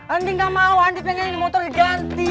andi gak mau andi pengen motor diganti